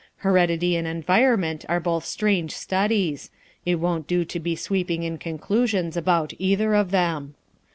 Heredity and environment are both strange studies; it won't do to be sweeping in conclu sions about either of them.